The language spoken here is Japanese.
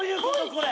これ。